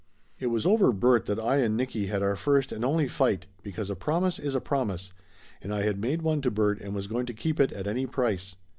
It was over Bert that I and Nicky had our first and only fight because a promise is a promise and I had made one to Bert and was going to keep it at any price.